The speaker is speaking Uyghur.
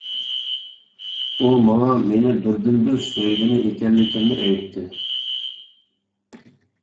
ئۇ ماڭا مېنى بىردىنبىر سۆيگۈنى ئىكەنلىكىمنى ئېيتتى.